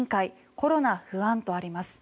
コロナ不安とあります。